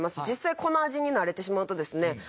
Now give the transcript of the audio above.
実際この味に慣れてしまうとですね